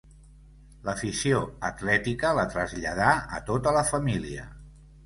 L'afició atlètica la traslladà a tota la família.